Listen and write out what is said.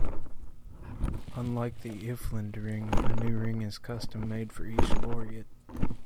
Unlike the Iffland-Ring, a new ring is custom made for each laureate.